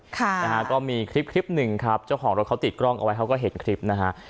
ค่ะนะฮะก็มีคลิปคลิปหนึ่งครับเจ้าของรถเขาติดกล้องเอาไว้เขาก็เห็นคลิปนะฮะ